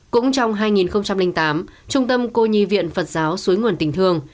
cũng trong hai nghìn tám trung tâm cô nhi viện phật giáo xuối nguồn tình thương